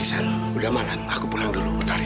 iksan udah malam aku pulang dulu utari